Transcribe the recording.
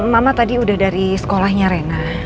mama tadi udah dari sekolahnya rena